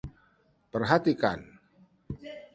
Perhatikan.